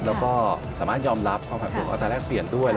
แล้วก็สามารถยอมรับความผันผมเอาตอนแรกเปลี่ยนด้วย